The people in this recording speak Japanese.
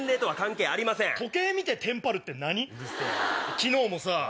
昨日もさ